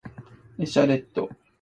エシャレット